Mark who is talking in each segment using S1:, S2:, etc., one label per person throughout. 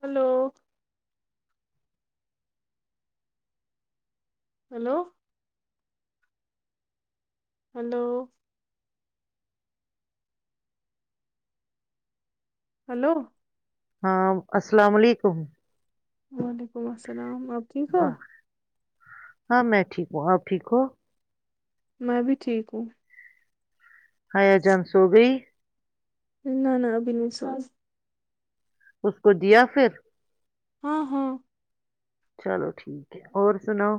S1: Hello hello hello hello
S2: ہاں السلام علیکم
S1: وعلیکم السلام آپ ٹھیک ہو
S2: آہ، ہاں میں ٹھیک ہوں آپ ٹھیک ہو
S1: میں بھی ٹھیک ہوں
S2: ہایا جام سو گئی
S1: نہ نہ ابھی نہیں سواس
S2: اس کو دیا پھر
S1: ہاں ہاں
S2: چلو ٹھیک ہے اور سناؤ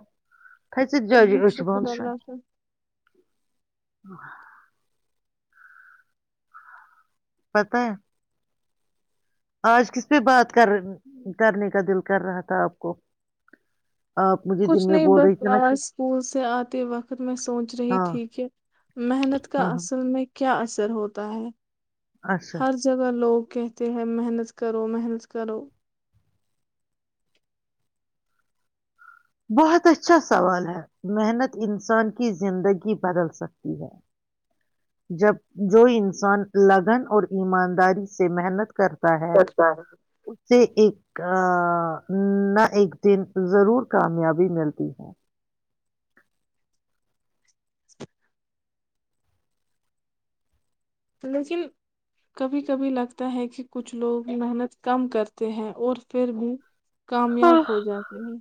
S2: تھست جائجی
S1: بہت
S2: اچھ بند
S1: شکر
S2: سن
S1: اللہ کا
S2: ا پت ہے آج کس پہ بات کر کرنے کا دل کر رہا تھا آپ کو آپ مجھے دن
S1: کچھ
S2: میں
S1: نہیں
S2: بول
S1: بس
S2: رہی تھی نا کہ
S1: اسکول سے آتے وقت میں سوچ رہی
S2: ہاں
S1: تھی کہ محنت کا
S2: ہاں ہاں
S1: اصل میں کیا ر ہوتا ہے
S2: اچھا
S1: ہر جگہ لوگ کہتے ہیں محنت کرو محنت کرو
S2: بہت اچھا سوال ہے محنت انسان کی زندگی بدل سکتی ہے جب جو انسان لگن اور ایمانداری سے محنت کرتا ہے
S1: اچھا
S2: اس سے ایک ا نہ ایک دن ضرور کامیابی ملتی ہے
S1: لیکن کبھی کبھی لگتا ہے کہ کچھ لوگ محنت کم کرتے ہیں اور پھر بھی کامیاب
S2: ہاں
S1: ہو جاتے ہیں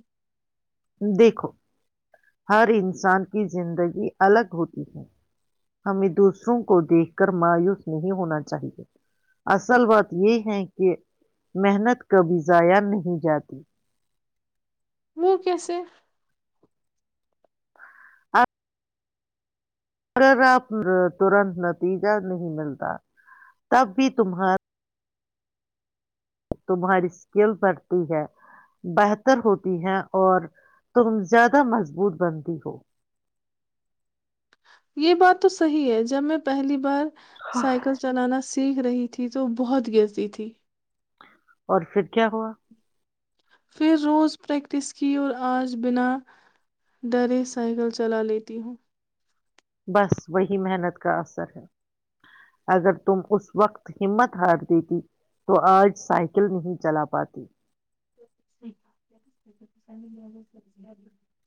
S2: دیکھو ہر انسان کی زندگی الگ ہوتی ہے ہمیں دوسروں کو دیکھ کر مایوس نہیں ہونا چاہیے اصل بات یہ ہے کہ محنت کبھی ضائع نہیں جاتی
S1: منہ کیسے
S2: اگر آپ ترنت نتیجہ نہیں ملتا تب بھی تمہارے تمہاری اسکل بڑھتی ہے بہتر ہوتی ہے اور تم زیادہ مضبوط بنتی ہو
S1: یہ بات تو صحی ہے جب م پہلی بار سائیکل چلانا سیک سیکھ رہی تھی تو بہت گرتی تھی
S2: اور پھر کیا ہوا
S1: پھر روز پریکٹس کی اور آج بنا ڈرے سائیکل چلا لیتی ہوں
S2: بس وہی محنت کا اثر ہے اگر تم اس وقت ہمت ہار دیتی تو آج سائیکل نہیں چلا پاتی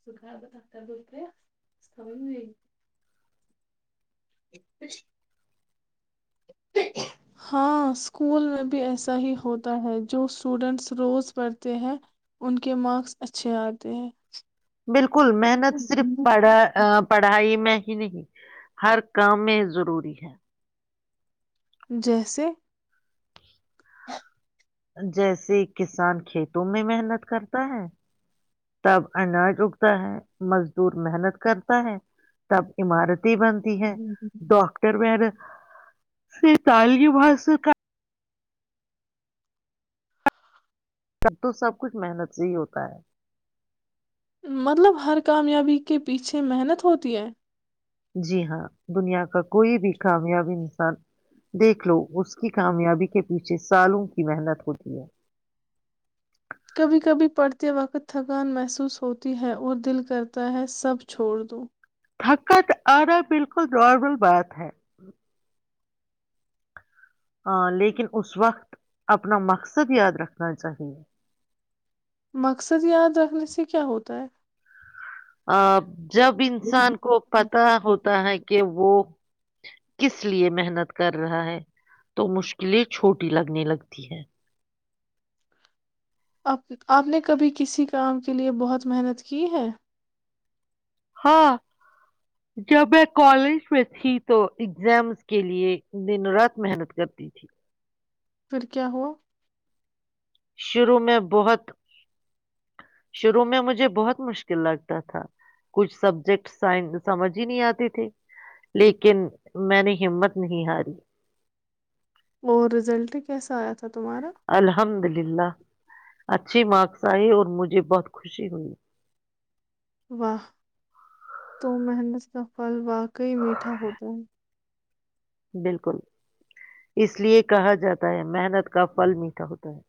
S1: سھر ب تختر د تس س ہاں اسکول میں بھی ایسا ہی ہوتا ہے جو اسٹوڈینٹس روز پڑھتے ہیں ان کے مارکس اچھے آتے ہیں
S2: بالکل محنت صرف پڑھا پڑھائی میں ہی نہیں ہر کام میں ضروری ہے
S1: جیسے
S2: جیسے کسان کھیتوں میں محنت کرتا ہے تب اناج اگتا ہے مزدور محنت کرتا ہے تب عمارت بنتی ہے ڈاکٹر ویر سے تالو بھاشا کا تب تو سب کچھ محنت سے ہی ہوتا ہے
S1: مطلب ہر کامیابی کے پیچھے محنت ہوتی ہے
S2: جی ہاں دنیا کا کوئی بھی کامیابی انسان دیکھ لو اس کی کامیابی کے پیچھے سالوں کی محنت ہوتی ہے
S1: کبھی کبھی پڑھتے وقت تھکان محسوس ہوتی ہے اور دل کرتا ہے سب چھوڑ دو
S2: تھکت آرا بالکل نارمل بات ہے ہ لیکن اس وقت اپنا مقصد یاد رکھنا چاہیے
S1: مقصد یاد رکھنے سے کیا ہوتا ہے؟
S2: آپ جب انسان کو پتا ہوتا ہے کہ وہ کس لیئے محنت کر رہا ہے تو مشکلیں چھوٹی لگنے لگتی ہیں
S1: آ آپ نے کبھی کسی کام کے لیے بہت محنت کی ہے
S2: ہاں جب میں کالج میں تھی تو ایگزامز کے لیئے دن رات محنت کرتی تھی
S1: پھر کیا ہوا؟
S2: شروع میں بہت شروع میں مجھے بہت مشکل لگتا تھا کچھ سبجیکٹ سائن سمجھ ہی نہیں آتی تھے لیکن میں نے ہمت نہیں ہاری
S1: اور رزلٹ کیسا آیا تھا تمہارا
S2: الحمد للہ اچھی مارکس آئی مجھے بہت خوشی ہوئی
S1: واہ تو محنت کا پل واہ ک ہی میھا ہوتا ہے
S2: بالکل اس لیے کہا جاتا ہے محنت کا پھل میٹھا ہوتا ہے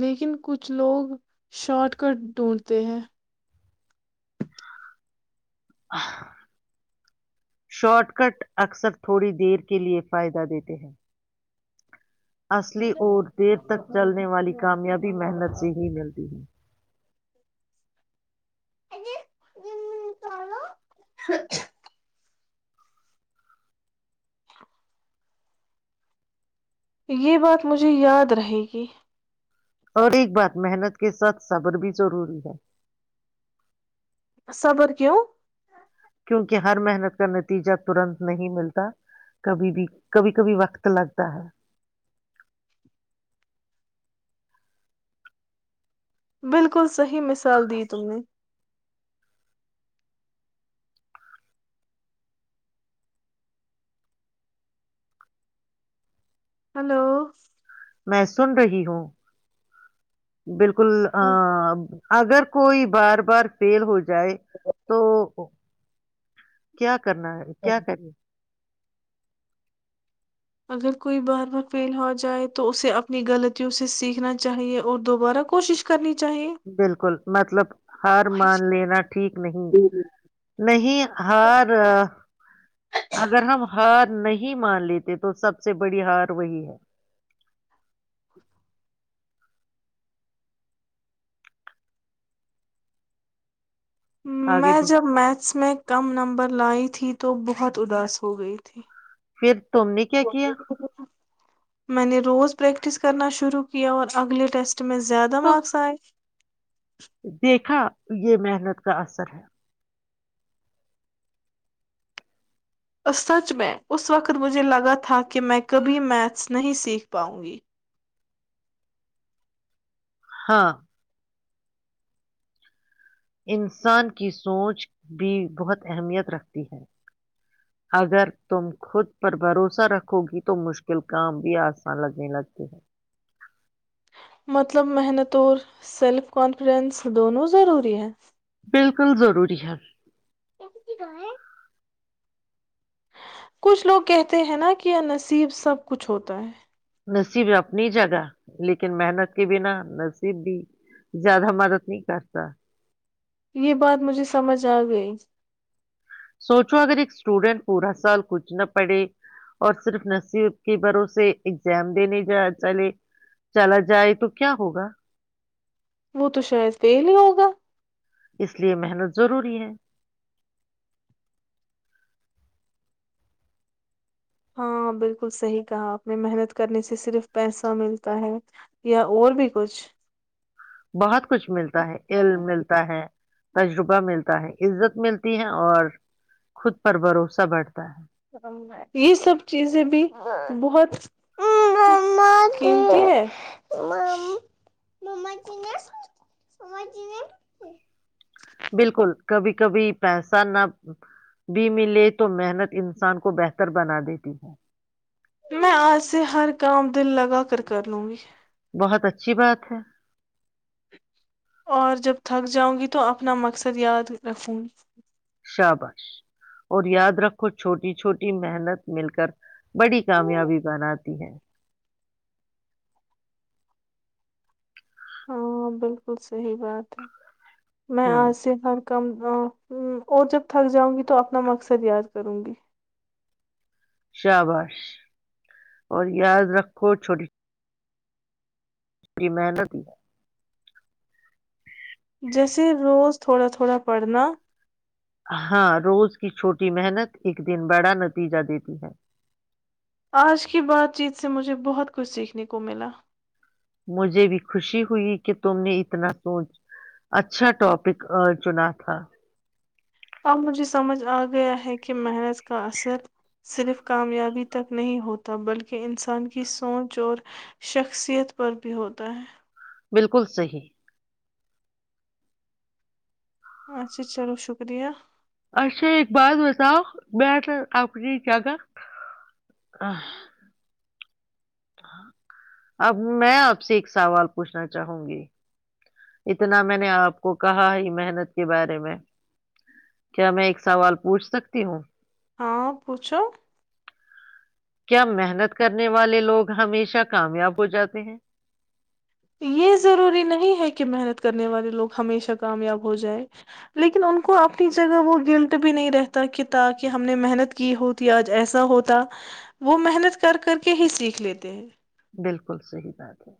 S1: لیکن کچھ لوگ شارٹ کٹ ڈھونڈتے ہیں
S2: شارٹ کٹ اکثر تھوڑی دیر کے لئے فائدہ دیتے ہیں اصلی اور دیر تک چلنے والی کامیابی محنت سے ہی ملتی ہے
S1: چو [inaudible] یہ بات مجھے یاد رہے گی
S2: اور ایک بات محنت کے ساتھ صبر بھی ضروری ہے
S1: صبر کیوں
S2: کیونکہ ہر محنت کا نتیجہ ترنت نہیں ملتا کبھی بھی کبھی کبھی وقت لگتا ہے
S1: بالکل صحیح مثال دی تم نے ہلو
S2: میں سن رہی ہوں بالکل ا اگر کوئی بار بار فیل ہو جائے تو کیا کرنا ہے کیا کریے
S1: اگر کوئی بار بار فیل ہو جائے تو اسے اپنی غلطیوں سے سیکھنا چاہیے اور دوبارہ کوشش کرنی چاہیے
S2: بالکل مطلب ہار مان لینا ٹھیک نہیں نہیں ہار اگر ہم ہار نہیں مان لیتے تو سب سے بڑی ہار وہی ہے آگے
S1: میں
S2: بڑھ
S1: جب میتھس میں کم نمبر لائی تھی تو بہت اداس ہو گئی تھی
S2: پھر تم نے کیا کیا
S1: میں نے روز پریکٹس کرنا شروع کیا اور اگلے ٹیسٹ میں زیادہ مارکس آئے
S2: دیکھا یہ محنت کا اثر ہے
S1: اور سچ میں اس وقت مجھے لگا تھا کہ میں کبھی میتھس نہیں سیکھ پاؤں گی
S2: ہاں انسان کی سوچ بھی بہت اہمیت رکھتی ہے اگر تم خود پر بھروسہ رکھو گی تو مشکل کام بھی آسان لگنے لگتے ہے
S1: مطلب محنت اور سیلف کانفیڈینس دونوں ضروری ہے
S2: بالکل ضروری ہے
S1: کی گا ہے کچھ لوگ کہتے ہیں نا کہ یہ نصیب سب کچھ ہوتا ہے
S2: نصیب اپنی جگہ لیکن محنت کے بنا نصیب بھی زیادہ مدد نہیں کرتا
S1: یہ بات مجھے سمجھ آ گئی
S2: سوچو اگر ایک اسٹوڈنٹ پورا سال کچھ نہ پڑھے اور صرف نصیب کے بھروںس ایگزام دینے جا چلے چلا جائے تو کیا ہوگا
S1: وہ تو شاید فیل ہی ہوگا
S2: اس لیے محنت ضروری ہے
S1: ہاں بالکل صحیح کہا آپ نے محنت کرنے سے صرف پیسہ ملتا ہے یا اور بھی کچھ
S2: بہت س کچھ ملتا ہے ایل ملتا ہے تجربہ ملتا ہے عزت ملتی ہے اور خود پر بھروسہ بڑھتا ہے
S1: یہ سب چیزیں بھی بہت
S2: ہ
S1: م چ م چ
S2: بالکل کبھی کبھی پیسہ نہ بھی ملے تو محنت انسان کو بہتر بنا دیتی ہے
S1: میں آج سے ہر کام دل لگا کر کر لوں گی
S2: بہت اچھی بات ہے
S1: اور جب تھک جاؤں گی تو اپنا مقصد یاد رکھوں گی
S2: شابش اور یاد رکھو چھوٹی چھوٹی محنت مل کر بڑی کامیابی بناتی ہے
S1: ہاں بالکل صحی بات ہے میں
S2: ہ
S1: آج سے ہر کم اور جب تھک جاؤں گی تو اپنا مقصد یاد کروں گی
S2: شاہابش اور یاد رکھو چھوٹی اس کی محنت
S1: جیسے روز تھوڑا تھوڑا پڑھنا
S2: ہاں روز کی چھوٹی محنت ایک دن بڑا نتیجہ دیتی ہے
S1: آج کی بات چیت سے مجھے بہت کچھ سیکھنے کو ملا
S2: مجھے بھی خوشی ہوئی کہ تم نے اتنا سوچ اچھا ٹاپک چنا تھا
S1: اب مجھے سمجھ آ گیا ہے کہ محنت کا اثر صرف کامیابی تک نہیں ہوتا بلکہ انسان کی سوچ اور شخصیت پر بھی ہوتا ہے
S2: بالکل صیح
S1: اچھا چلو شکریہ
S2: اچھا ایک بات بتاؤ میں آپ کی جگہ اب میں آپ سے ایک سوال پوچھنا چاہوں گی اتنا میں نے آپ کو کہا ہی محنت کے بارے میں کیا میں ایک سوال پوچھ سکتی ہوں
S1: ہاں پوچھو
S2: کیا محنت کرنے والے لوگ ہمیشہ کامیاب ہو جاتے ہیں
S1: یہ ضروری نہیں ہے کہ محنت کرنے والے لوگ ہمیشہ کامیاب ہو جائے لیکن ان کو اپنی جگہ وہ گلٹ بھی نہیں رہتا کہ تاکہ ہم نے محنت کی ہوتی آج ایسا ہوتا وہ محنت کر کر کے ہی سیکھ لیتے ہیں
S2: بالکل صحی بات ہے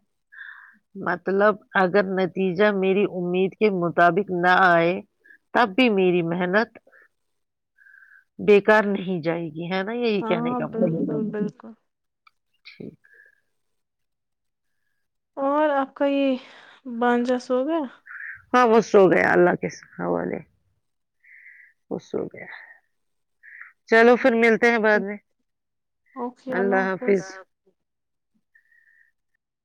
S2: مطلب اگر نتیجہ میری امید کے مطابق نہ آئے تب بھی میری محنت بیکار نہیں جائے گی ہے نا یہی
S1: ہاں
S2: کہنے کا مطلب
S1: بالکل بالکل
S2: ٹھیک
S1: اور آپ کا یہ بانجس ہو گیا
S2: ہاں وہ سو گیا اللہ کےے وہسو گیا چلو پھر ملتے ہیں بعد میں اللہ حافظ